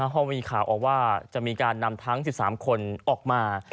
พอมีข่าวออกว่าจะมีการนำทั้ง๑๓คนออกมา